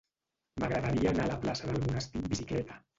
M'agradaria anar a la plaça del Monestir amb bicicleta.